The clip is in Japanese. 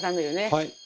はい。